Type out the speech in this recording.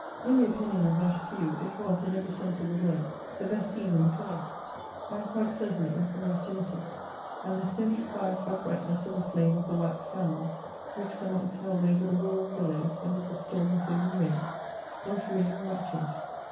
In the opinion of not a few, it was, in every sense of the word, the best scene in the play. I am quite certain it was the most innocent: and the steady, quiet uprightness of the flame of the wax candles, which the monks held over the roaring billows amid the storm of wind and rain, was really miraculous.